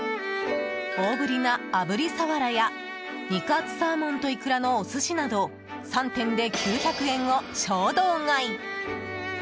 大ぶりな、あぶりサワラや肉厚サーモンとイクラのお寿司など３点で９００円を衝動買い。